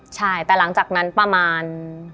ใช่แต่หลังจากนั้นประมาณ